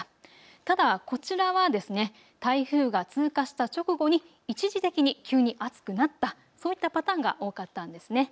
ただ、こちらは台風が通過した直後に一時的に急に暑くなった、そういったパターンが多かったんですね。